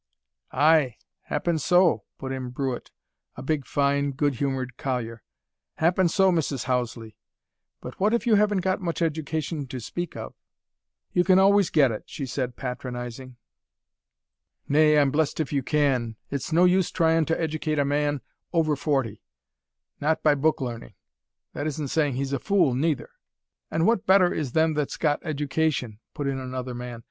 "Ay, happen so," put in Brewitt, a big, fine, good humoured collier. "Happen so, Mrs. Houseley. But what if you haven't got much education, to speak of?" "You can always get it," she said patronizing. "Nay I'm blest if you can. It's no use tryin' to educate a man over forty not by book learning. That isn't saying he's a fool, neither." "And what better is them that's got education?" put in another man.